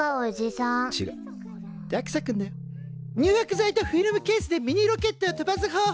入浴剤とフィルムケースでミニロケットを飛ばす方法だよね。